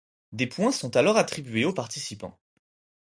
Des points sont alors attribués aux participants.